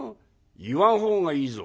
「言わん方がいいぞ」。